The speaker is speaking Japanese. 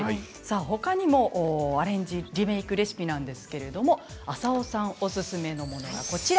ほかにもアレンジリメイクレシピなんですけれども浅尾さんおすすめのものがこちら。